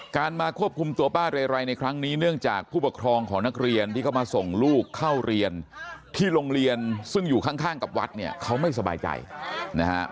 การมาควบคุมตัวป้าเรไรในครั้งนี้เนื่องจากผู้ปกครองของนักเรียนที่เขามาส่งลูกเข้าเรียนที่โรงเรียนซึ่งอยู่ข้างกับวัดเนี่ยเขาไม่สบายใจนะฮะ